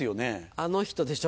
あの人でしょ？